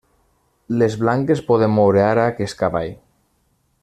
Les blanques poden moure ara aquest cavall.